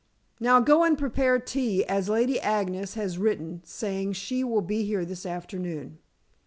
Now, go and prepare tea, as Lady Agnes has written saying she will be here this afternoon."